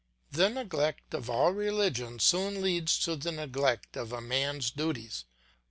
The neglect of all religion soon leads to the neglect of a man's duties.